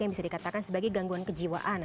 yang bisa dikatakan sebagai gangguan kejiwaan